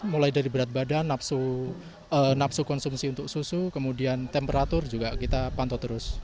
mulai dari berat badan napsu konsumsi untuk susu kemudian temperatur juga kita pantau terus